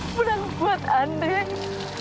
pulang buat andrya